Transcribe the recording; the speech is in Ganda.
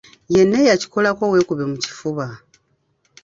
Yenna eyakikolako weekube mu kifuba.